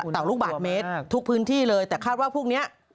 ต่อลูกบาทเมตรทุกพื้นที่เลยแต่คาดว่าพวกนี้